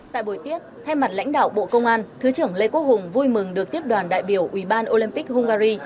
tại buổi tiết thay mặt lãnh đạo bộ công an thứ trưởng lê quốc hùng vui mừng được tiếp đoàn đại biểu ủy ban olympic hungary